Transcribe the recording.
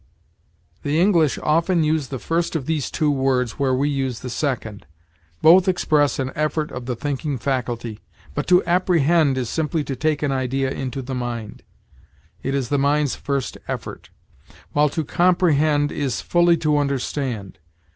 The English often use the first of these two words where we use the second. Both express an effort of the thinking faculty; but to apprehend is simply to take an idea into the mind it is the mind's first effort while to comprehend is fully to understand.